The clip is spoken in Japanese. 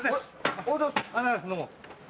おはようございます。